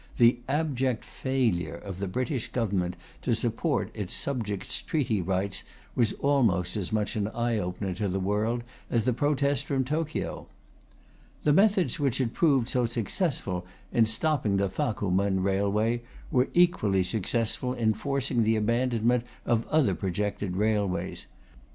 The abject failure of the British Government to support its subjects' treaty rights was almost as much an eye opener to the world as the protest from Tokio.... "The methods which had proved so successful in stopping the Fa ku men railway were equally successful in forcing the abandonment of other projected railways.